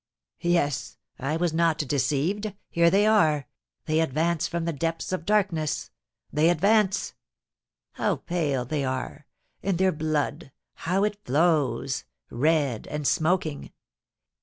Yes; I was not deceived; here they are, they advance from the depths of darkness, they advance! How pale they are; and their blood, how it flows, red and smoking!